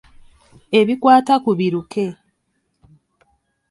Ebikwata ku biruke.